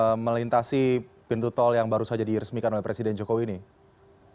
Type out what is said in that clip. untuk melintasi pintu tol yang baru saja diresmikan oleh presiden joko widodo